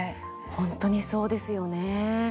本当にそうですよね。